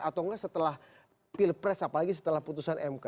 atau enggak setelah pilpres apalagi setelah putusan mk